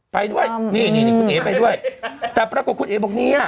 ไปด้วยนี่นี่คุณเอ๋ไปด้วยแต่ปรากฏคุณเอ๋บอกเนี่ย